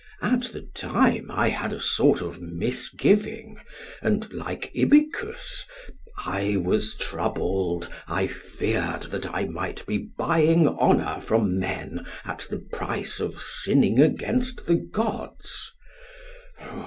At the time I had a sort of misgiving, and, like Ibycus, 'I was troubled; I feared that I might be buying honour from men at the price of sinning against the gods.'